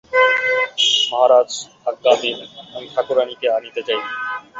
মহারাজ, আজ্ঞা দিন, আমি ঠাকুরানীকে আনিতে যাই।